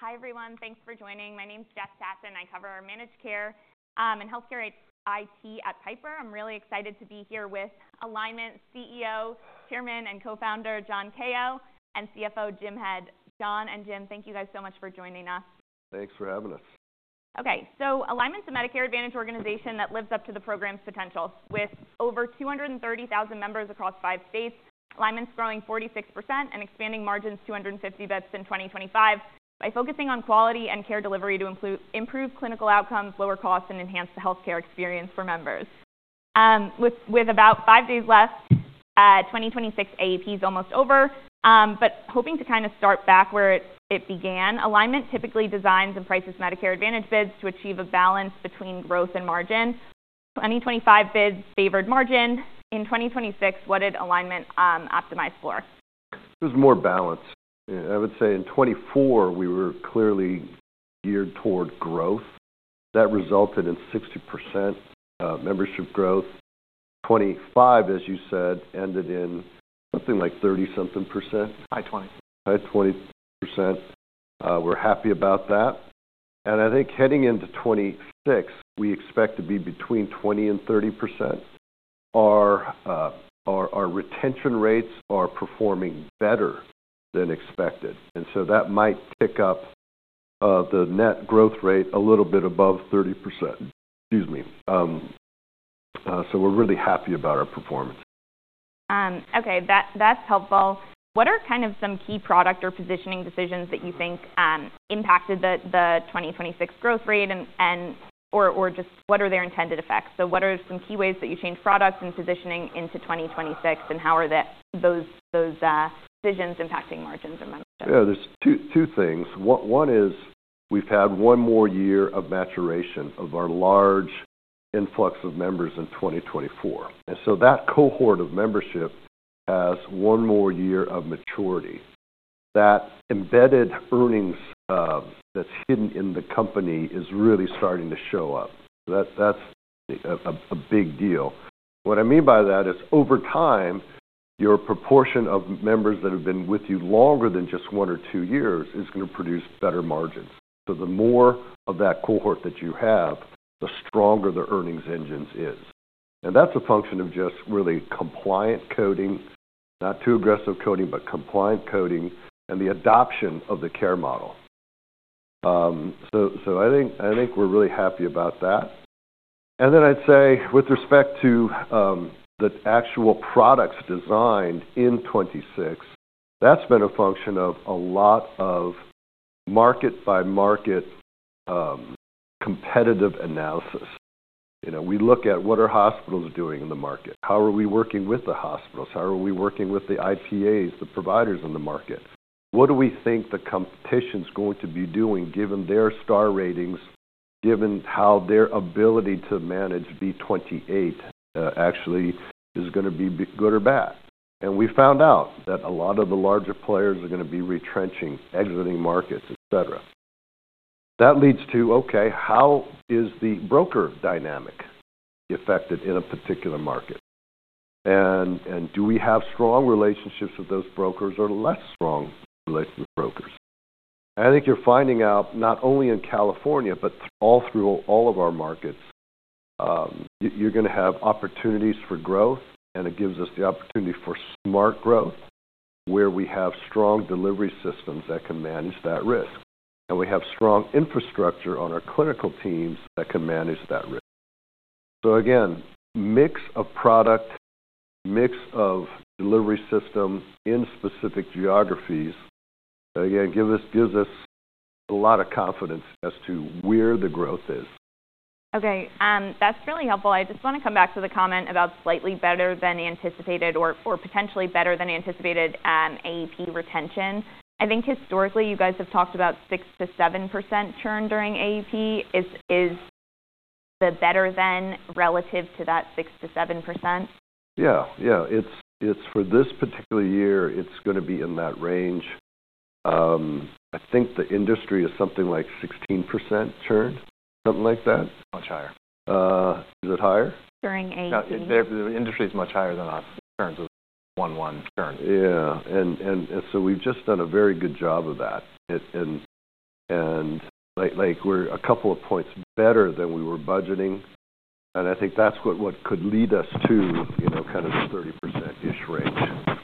Hi everyone, thanks for joining. My name's Jess Tassan, I cover our managed care and healthcare IT at Piper. I'm really excited to be here with Alignment CEO, Chairman, and Co-Founder John Kao, and CFO, Jim Head. John and Jim, thank you guys so much for joining us. Thanks for having us. Okay, so Alignment's a Medicare Advantage organization that lives up to the program's potential. With over 230,000 members across five states, Alignment's growing 46% and expanding margins 250 basis points in 2025 by focusing on quality and care delivery to improve clinical outcomes, lower costs, and enhance the healthcare experience for members. With about five days left, 2026 AEP is almost over, but hoping to kind of start back where it began. Alignment typically designs and prices Medicare Advantage bids to achieve a balance between growth and margin. 2025 bids favored margin. In 2026, what did Alignment optimize for? It was more balanced. I would say in 2024 we were clearly geared toward growth. That resulted in 60% membership growth. 2025, as you said, ended in something like 30-something%. High 20s. High 20%. We're happy about that, and I think heading into 2026, we expect to be between 20% and 30%. Our retention rates are performing better than expected, and so that might pick up the net growth rate a little bit above 30%. Excuse me, so we're really happy about our performance. Okay, that's helpful. What are kind of some key product or positioning decisions that you think impacted the 2026 growth rate or just what are their intended effects? So what are some key ways that you changed products and positioning into 2026, and how are those decisions impacting margins and membership? Yeah, there's two things. One is we've had one more year of maturation of our large influx of members in 2024, and so that cohort of membership has one more year of maturity. That embedded earnings that's hidden in the company is really starting to show up. That's a big deal. What I mean by that is over time, your proportion of members that have been with you longer than just one or two years is going to produce better margins, so the more of that cohort that you have, the stronger the earnings engine is, and that's a function of just really compliant coding, not too aggressive coding, but compliant coding, and the adoption of the care model, so I think we're really happy about that. And then I'd say with respect to the actual products designed in 2026, that's been a function of a lot of market-by-market competitive analysis. We look at what are hospitals doing in the market? How are we working with the hospitals? How are we working with the IPAs, the providers in the market? What do we think the competition's going to be doing given their Star Ratings, given how their ability to manage V28 actually is going to be good or bad? And we found out that a lot of the larger players are going to be retrenching, exiting markets, etc. That leads to, okay, how is the broker dynamic affected in a particular market? And do we have strong relationships with those brokers or less strong relationships with brokers? I think you're finding out not only in California, but all through our markets, you're going to have opportunities for growth, and it gives us the opportunity for smart growth where we have strong delivery systems that can manage that risk. We have strong infrastructure on our clinical teams that can manage that risk, so again, mix of product, mix of delivery system in specific geographies, again, gives us a lot of confidence as to where the growth is. Okay, that's really helpful. I just want to come back to the comment about slightly better than anticipated or potentially better than anticipated AEP retention. I think historically you guys have talked about 6%-7% churn during AEP. Is the better than relative to that 6%-7%? Yeah, yeah. For this particular year, it's going to be in that range. I think the industry is something like 16% churn, something like that. Much higher. Is it higher? During AEP? The industry is much higher than ours on terms of one-to-one churn. Yeah. And so we've just done a very good job of that. And we're a couple of points better than we were budgeting. And I think that's what could lead us to kind of the 30% each range.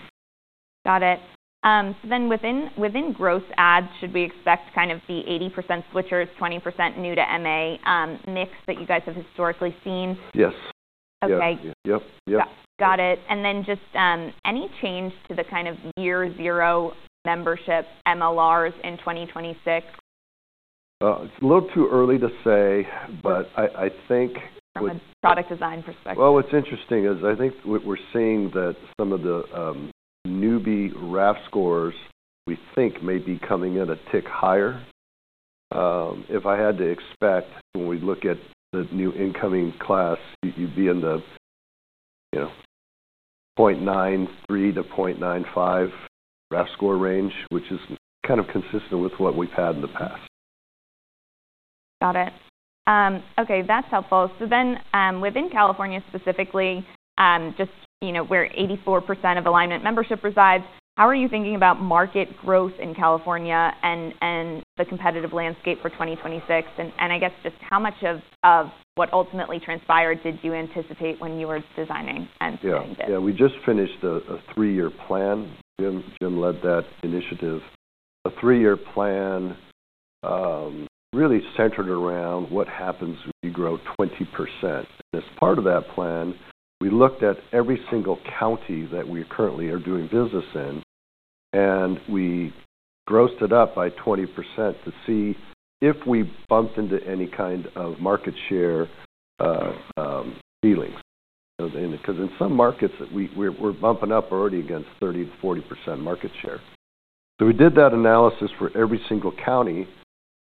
Got it. So then within gross adds, should we expect kind of the 80% switchers, 20% new to MA mix that you guys have historically seen? Yes. Okay. Yep, yep. Got it. And then just any change to the kind of year-zero membership MLRs in 2026? It's a little too early to say, but I think. From a product design perspective. What's interesting is I think we're seeing that some of the newbie RAF scores we think may be coming in a tick higher. If I had to expect, when we look at the new incoming class, you'd be in the 0.93-0.95 RAF score range, which is kind of consistent with what we've had in the past. Got it. Okay, that's helpful. So then within California specifically, just where 84% of Alignment membership resides, how are you thinking about market growth in California and the competitive landscape for 2026? And I guess just how much of what ultimately transpired did you anticipate when you were designing and planning this? Yeah, we just finished a three-year plan. Jim led that initiative. A three-year plan really centered around what happens if you grow 20%. And as part of that plan, we looked at every single county that we currently are doing business in, and we grossed it up by 20% to see if we bumped into any kind of market share ceiling. Because in some markets, we're bumping up already against 30%-40% market share. So we did that analysis for every single county,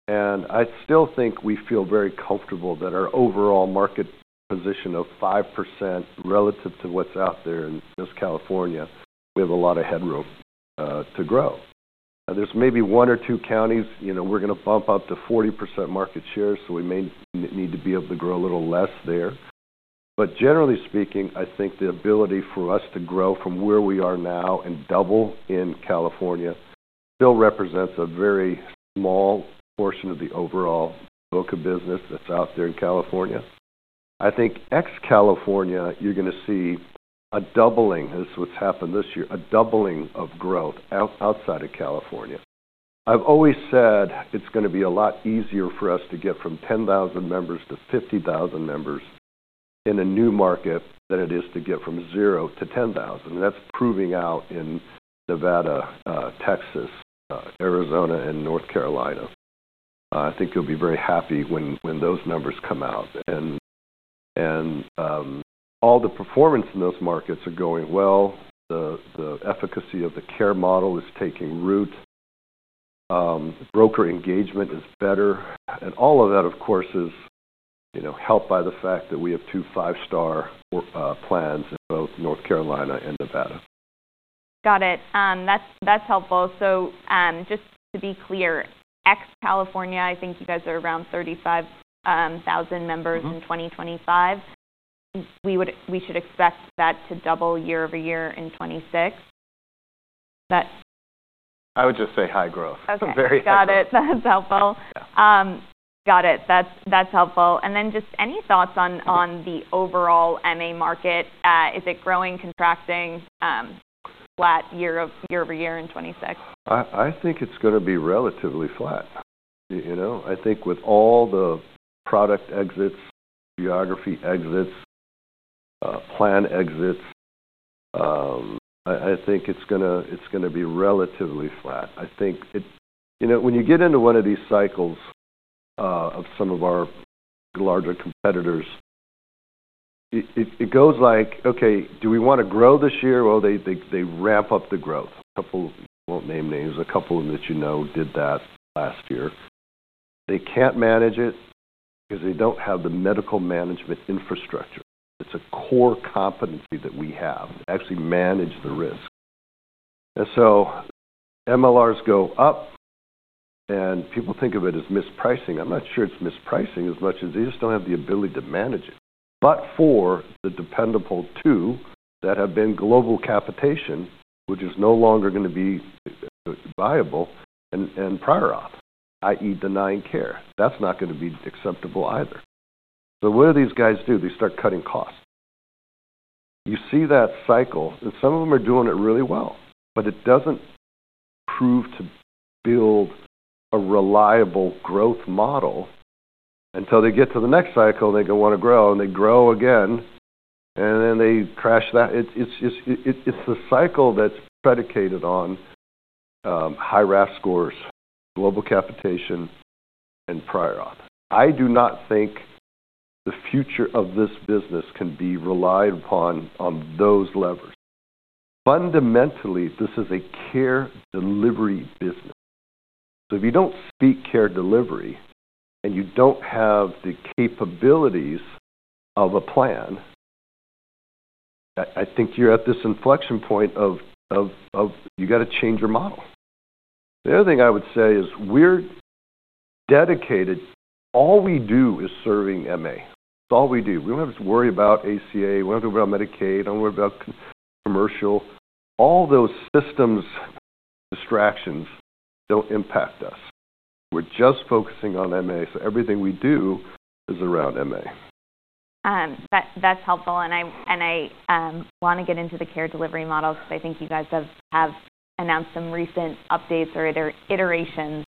and I still think we feel very comfortable that our overall market position of 5% relative to what's out there in Northern California, we have a lot of headroom to grow. There's maybe one or two counties, you know, we're going to bump up to 40% market share, so we may need to be able to grow a little less there. But generally speaking, I think the ability for us to grow from where we are now and double in California still represents a very small portion of the overall book of business that's out there in California. I think ex-California, you're going to see a doubling, as what's happened this year, a doubling of growth outside of California. I've always said it's going to be a lot easier for us to get from 10,000 members to 50,000 members in a new market than it is to get from zero to 10,000, and that's proving out in Nevada, Texas, Arizona, and North Carolina. I think you'll be very happy when those numbers come out, and all the performance in those markets are going well. The efficacy of the care model is taking root. Broker engagement is better. All of that, of course, is helped by the fact that we have two five-star plans in both North Carolina and Nevada. Got it. That's helpful. So just to be clear, ex-California, I think you guys are around 35,000 members in 2025. We should expect that to double year over year in 2026. I would just say high growth. Okay, got it. That's helpful. And then just any thoughts on the overall MA market? Is it growing, contracting, flat year over year in 2026? I think it's going to be relatively flat. You know, I think with all the product exits, geography exits, plan exits, I think it's going to be relatively flat. I think, you know, when you get into one of these cycles of some of our larger competitors, it goes like, okay, do we want to grow this year? Well, they ramp up the growth. A couple of, won't name names, a couple of them that you know did that last year. They can't manage it because they don't have the medical management infrastructure. It's a core competency that we have, actually manage the risk. And so MLRs go up, and people think of it as mispricing. I'm not sure it's mispricing as much as they just don't have the ability to manage it. But for the dependable two that have been global capitation, which is no longer going to be viable, and prior auth, i.e., denying care, that's not going to be acceptable either. So what do these guys do? They start cutting costs. You see that cycle, and some of them are doing it really well, but it doesn't prove to build a reliable growth model until they get to the next cycle and they go want to grow and they grow again and then they crash that. It's the cycle that's predicated on high RAF scores, global capitation, and prior auth. I do not think the future of this business can be relied upon on those levers. Fundamentally, this is a care delivery business. So if you don't speak care delivery and you don't have the capabilities of a plan, I think you're at this inflection point of you got to change your model. The other thing I would say is we're dedicated. All we do is serving MA. That's all we do. We don't have to worry about ACA. We don't have to worry about Medicaid. I don't worry about commercial. All those systems distractions don't impact us. We're just focusing on MA, so everything we do is around MA. That's helpful, and I want to get into the care delivery model because I think you guys have announced some recent updates or iteration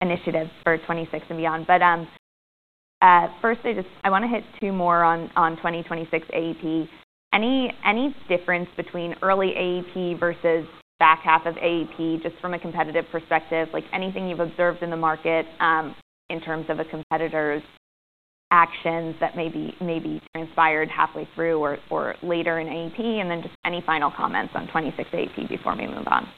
initiatives for 2026 and beyond, but first, I want to hit two more on 2026 AEP. Any difference between early AEP versus back half of AEP just from a competitive perspective? Like anything you've observed in the market in terms of a competitor's actions that maybe transpired halfway through or later in AEP? And then just any final comments on 2026 AEP before we move on?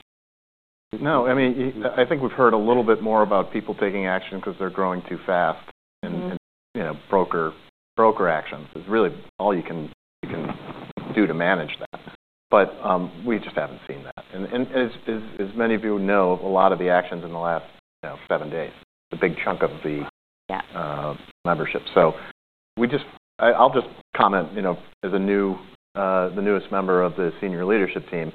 No, I mean, I think we've heard a little bit more about people taking action because they're growing too fast, and broker actions is really all you can do to manage that, but we just haven't seen that, and as many of you know, a lot of the actions in the last seven days, the big chunk of the membership, so I'll just comment, you know, as the newest member of the senior leadership team,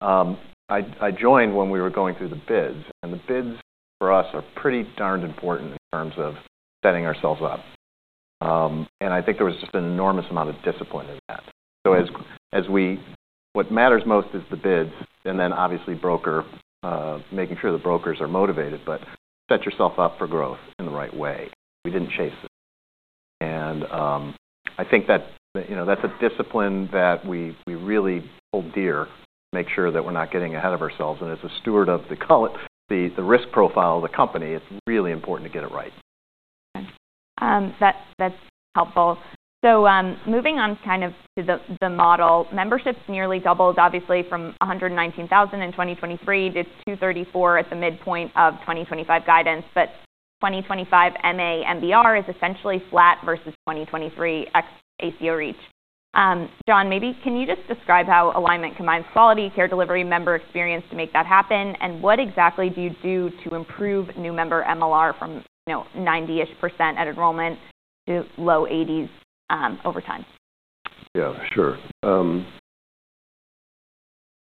I joined when we were going through the bids, and the bids for us are pretty darned important in terms of setting ourselves up. I think there was just an enormous amount of discipline in that, so what matters most is the bids, and then obviously making sure the brokers are motivated, but set yourself up for growth in the right way. We didn't chase it. I think that's a discipline that we really hold dear, make sure that we're not getting ahead of ourselves. As a steward of the risk profile of the company, it's really important to get it right. Okay. That's helpful. So moving on kind of to the model, membership's nearly doubled, obviously, from 119,000 in 2023. It's 234 at the midpoint of 2025 guidance. But 2025 MA MBR is essentially flat versus 2023 ex-ACO REACH. John, maybe can you just describe how Alignment combines quality, care delivery, member experience to make that happen? And what exactly do you do to improve new member MLR from 90% at enrollment to low 80s over time? Yeah, sure.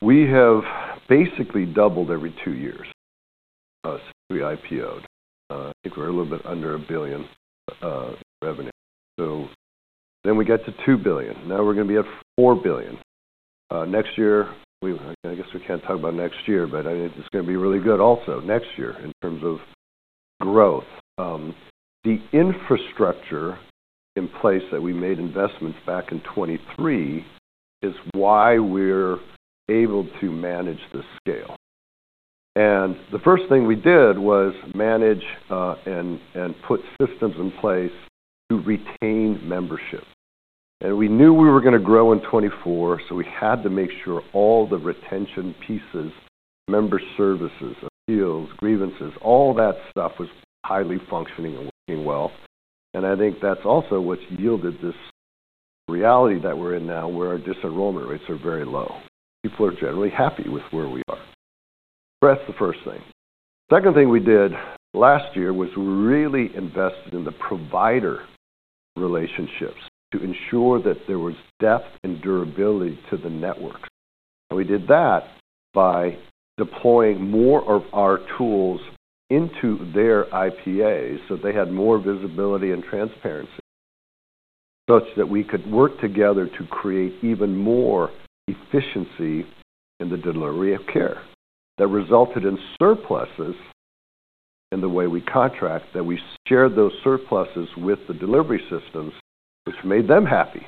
We have basically doubled every two years since we IPOed. I think we're a little bit under $1 billion revenue. So then we get to $2 billion. Now we're going to be at $4 billion. Next year, I guess we can't talk about next year, but it's going to be really good also next year in terms of growth. The infrastructure in place that we made investments back in 2023 is why we're able to manage the scale, and the first thing we did was manage and put systems in place to retain membership. We knew we were going to grow in 2024, so we had to make sure all the retention pieces, member services, appeals, grievances, all that stuff was highly functioning and working well. I think that's also what's yielded this reality that we're in now, where our disenrollment rates are very low. People are generally happy with where we are, so that's the first thing. The second thing we did last year was really invested in the provider relationships to ensure that there was depth and durability to the network. We did that by deploying more of our tools into their IPAs so they had more visibility and transparency, such that we could work together to create even more efficiency in the delivery of care that resulted in surpluses in the way we contract, that we shared those surpluses with the delivery systems, which made them happy.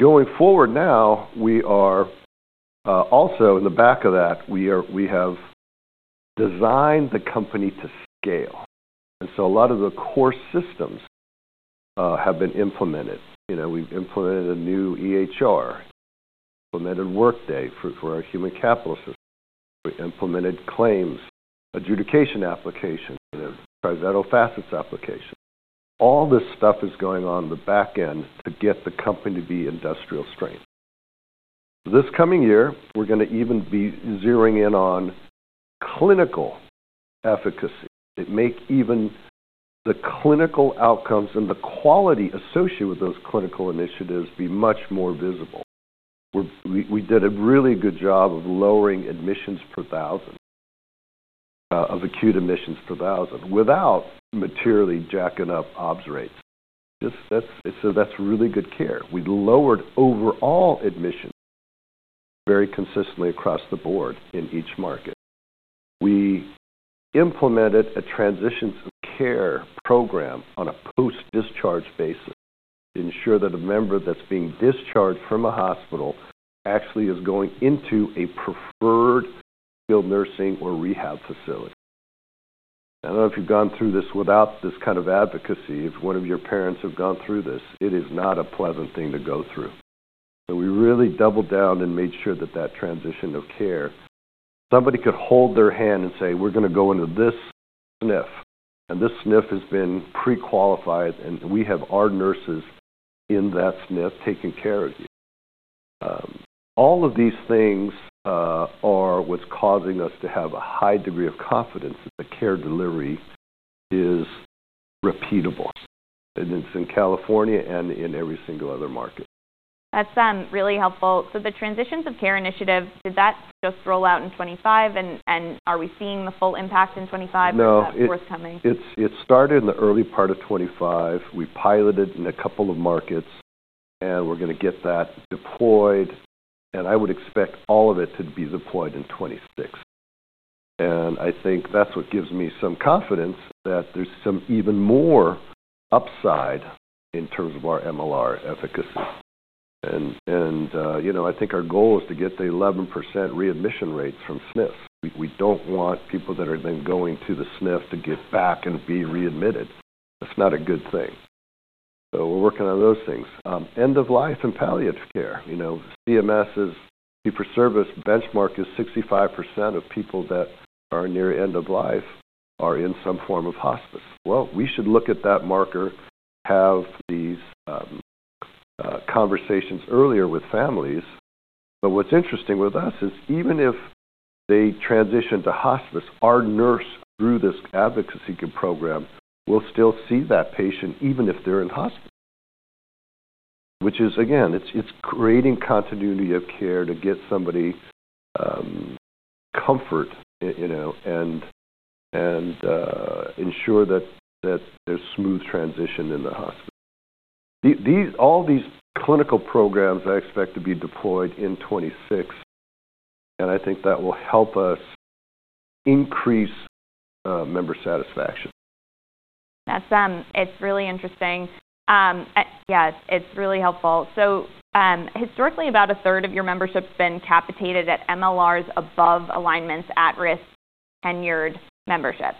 Going forward now, we are also in the back of that. We have designed the company to scale. A lot of the core systems have been implemented. We've implemented a new EHR, implemented Workday for our human capital. We implemented claims adjudication applications, TriZetto Facets applications. All this stuff is going on the back end to get the company to be industrially scaled. This coming year, we're going to even be zeroing in on clinical efficacy. It makes even the clinical outcomes and the quality associated with those clinical initiatives be much more visible. We did a really good job of lowering admissions per thousand, of acute admissions per thousand, without materially jacking up ops rates. So that's really good care. We lowered overall admissions very consistently across the board in each market. We implemented a transition care program on a post-discharge basis to ensure that a member that's being discharged from a hospital actually is going into a preferred skilled nursing or rehab facility. I don't know if you've gone through this without this kind of advocacy. If one of your parents have gone through this, it is not a pleasant thing to go through. So we really doubled down and made sure that that transition of care, somebody could hold their hand and say, "We're going to go into this SNF." And this SNF has been pre-qualified, and we have our nurses in that SNF taking care of you. All of these things are what's causing us to have a high degree of confidence that the care delivery is repeatable. And it's in California and in every single other market. That's really helpful. So the transitions of care initiative, did that just roll out in 2025? And are we seeing the full impact in 2025? What's coming? It started in the early part of 2025. We piloted in a couple of markets, and we're going to get that deployed. I would expect all of it to be deployed in 2026. I think that's what gives me some confidence that there's some even more upside in terms of our MLR efficacy. You know, I think our goal is to get the 11% readmission rates from SNFs. We don't want people that are then going to the SNF to give back and be readmitted. That's not a good thing. We're working on those things. End of life and palliative care. You know, CMS's fee-for-service benchmark is 65% of people that are near end of life are in some form of hospice. We should look at that marker, have these conversations earlier with families. But what's interesting with us is even if they transition to hospice, our nurse through this advocacy program will still see that patient even if they're in hospice. Which is, again, it's creating continuity of care to get somebody comfort, you know, and ensure that there's smooth transition in the hospice. All these clinical programs I expect to be deployed in 2026, and I think that will help us increase member satisfaction. It's really interesting. Yeah, it's really helpful. So historically, about a third of your membership has been capitated at MLRs above Alignment's at-risk tenured membership.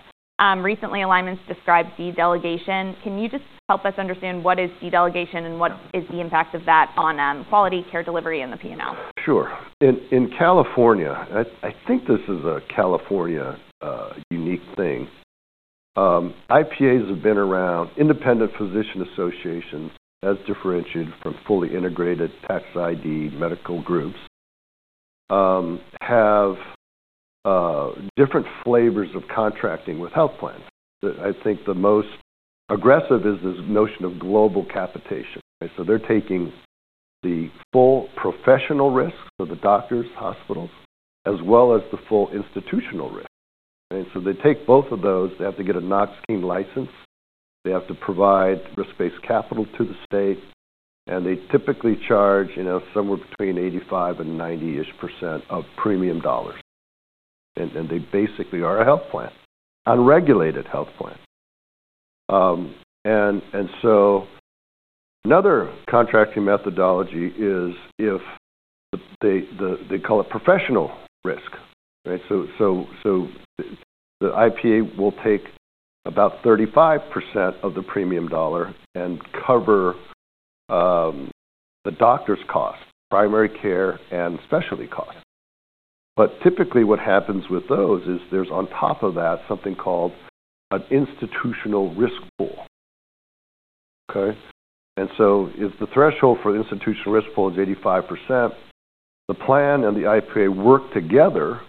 Recently, Alignment has described delegation. Can you just help us understand what is delegation and what is the impact of that on quality, care delivery, and the P&L? Sure. In California, I think this is a California unique thing. IPAs have been around, independent physician associations as differentiated from fully integrated tax ID medical groups, have different flavors of contracting with health plans. I think the most aggressive is this notion of global capitation. So they're taking the full professional risk for the doctors, hospitals, as well as the full institutional risk. And so they take both of those. They have to get a Knox-Keene license. They have to provide risk-based capital to the state. And they typically charge, you know, somewhere between 85%-90%-ish of premium dollars. And they basically are a health plan, unregulated health plan. And so another contracting methodology is if they call it professional risk, right? So the IPA will take about 35% of the premium dollar and cover the doctor's cost, primary care, and specialty costs. But typically what happens with those is there's on top of that something called an institutional risk pool. Okay? And so if the threshold for the institutional risk pool is 85%, the plan and the IPA work together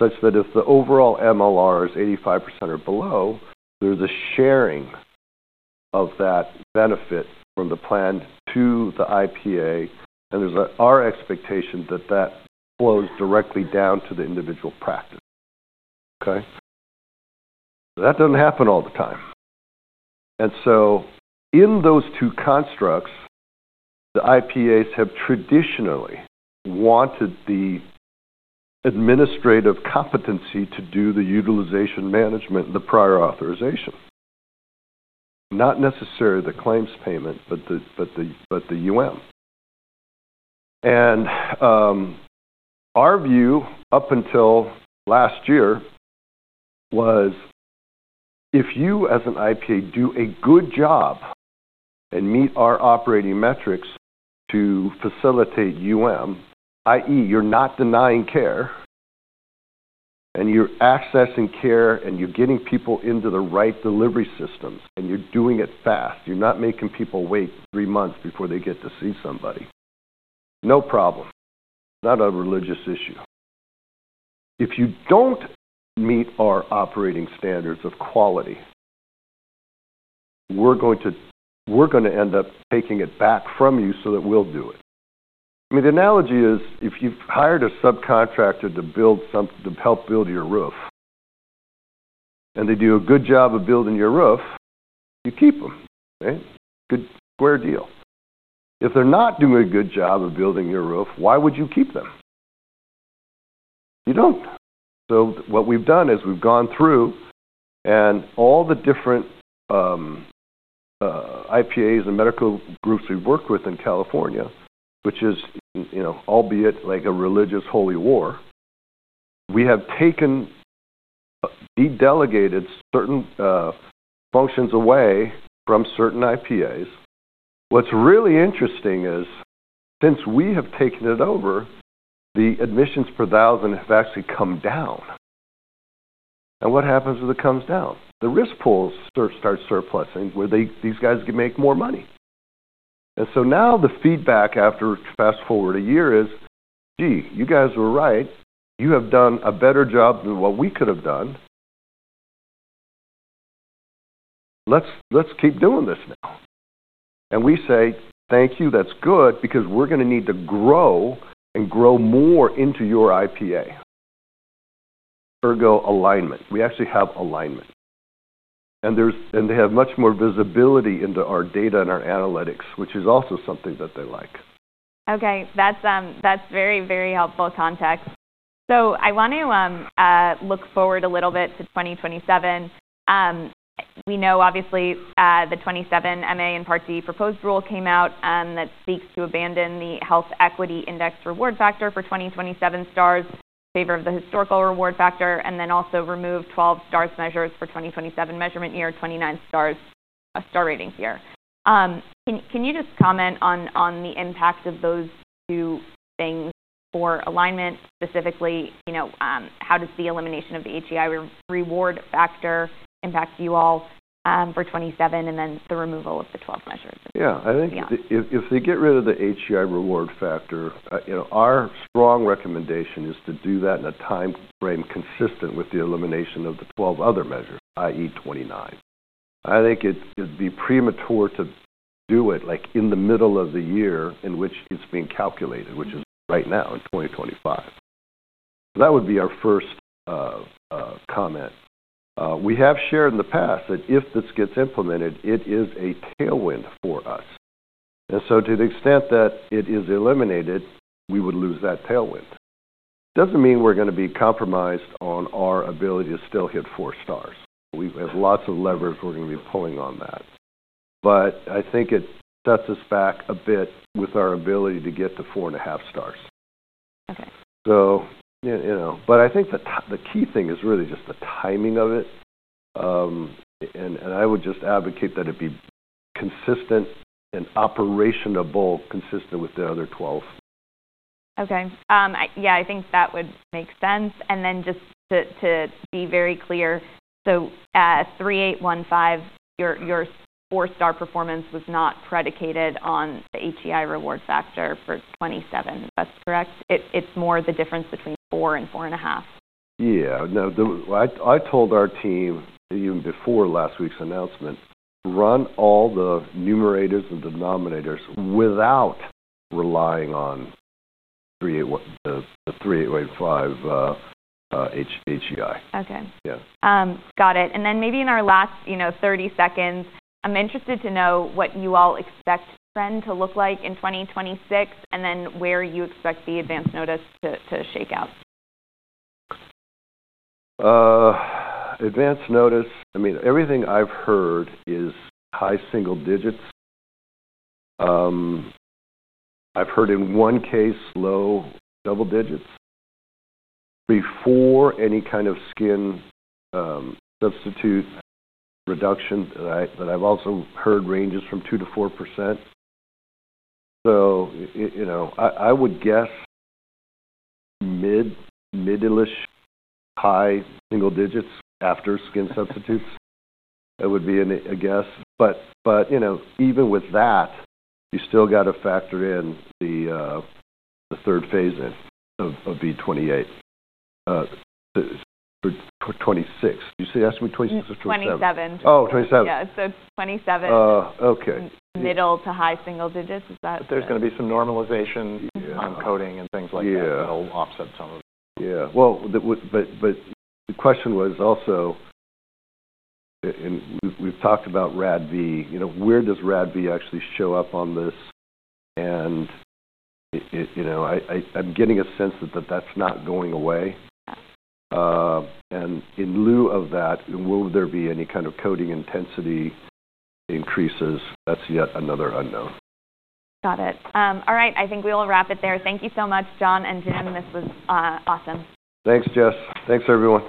such that if the overall MLR is 85% or below, there's a sharing of that benefit from the plan to the IPA. And there's our expectation that that flows directly down to the individual practice. Okay? That doesn't happen all the time. And so in those two constructs, the IPAs have traditionally wanted the administrative competency to do the utilization management, the prior authorization. Not necessarily the claims payment, but then our view up until last year was if you as an IPA do a good job and meet our operating metrics to facilitate i.e., you're not denying care and you're accessing care and you're getting people into the right delivery systems and you're doing it fast, you're not making people wait three months before they get to see somebody. No problem. Not a religious issue. If you don't meet our operating standards of quality, we're going to end up taking it back from you so that we'll do it. I mean, the analogy is if you've hired a subcontractor to help build your roof and they do a good job of building your roof, you keep them, right? Good square deal. If they're not doing a good job of building your roof, why would you keep them? You don't. So what we've done is we've gone through and all the different IPAs and medical groups we've worked with in California, which is, you know, albeit like a religious holy war. We have taken, de-delegated certain functions away from certain IPAs. What's really interesting is since we have taken it over, the admissions per thousand have actually come down. And what happens when it comes down? The risk pool starts surplusing where these guys can make more money. And so now the feedback after fast forward a year is, gee, you guys were right. You have done a better job than what we could have done. Let's keep doing this now. And we say, thank you, that's good because we're going to need to grow and grow more into your IPA. Ergo, alignment. We actually have alignment. They have much more visibility into our data and our analytics, which is also something that they like. Okay. That's very, very helpful context. So I want to look forward a little bit to 2027. We know, obviously, the 2027 MA and Part D proposed rule came out that speaks to abandon the Health Equity Index reward factor for 2027 stars in favor of the historical reward factor, and then also remove 12 stars measures for 2027 measurement year, 2029 stars Star Rating here. Can you just comment on the impacts of those two things for Alignment specifically? You know, how does the elimination of the HEI reward factor impact you all for 2027 and then the removal of the 12 measures? Yeah, I think if they get rid of the HEI reward factor, you know, our strong recommendation is to do that in a time frame consistent with the elimination of the 12 other measures, i.e., 29. I think it'd be premature to do it like in the middle of the year in which it's being calculated, which is right now in 2025. That would be our first comment. We have shared in the past that if this gets implemented, it is a tailwind for us. And so to the extent that it is eliminated, we would lose that tailwind. Doesn't mean we're going to be compromised on our ability to still hit four stars. We have lots of levers we're going to be pulling on that. But I think it sets us back a bit with our ability to get to four and a half stars. Okay. So, you know, but I think the key thing is really just the timing of it. And I would just advocate that it be consistent and operational, consistent with the other 12. Okay. Yeah, I think that would make sense. And then just to be very clear, so 3815, your four-star performance was not predicated on the HEI reward factor for 2027. That's correct? It's more the difference between four and four and a half. Yeah. No, I told our team even before last week's announcement, run all the numerators and denominators without relying on the 3.815 HEI. Okay. Got it. And then maybe in our last, you know, 30 seconds, I'm interested to know what you all expect trend to look like in 2026 and then where you expect the advance notice to shake out? Advance notice, I mean, everything I've heard is high single digits. I've heard in one case low double digits. Before any kind of skin substitute reduction that I've also heard ranges from 2%-4%. So, you know, I would guess mid-ish high single digits after skin substitutes. That would be a guess. But, you know, even with that, you still got to factor in the third phase of V28 for 2026. You say that's for 2026 or 2027? 2027. Oh, 2027. Yeah. So 2027. Oh, okay. Middle to high single digits. Is that? There's going to be some normalization on coding and things like that. It'll offset some of it. Yeah, well, but the question was also, and we've talked about RADV, you know, where does RADV actually show up on this, and you know, I'm getting a sense that that's not going away, and in lieu of that, will there be any kind of coding intensity increases? That's yet another unknown. Got it. All right. I think we'll wrap it there. Thank you so much, John and Jim. This was awesome. Thanks, Jess. Thanks, everyone.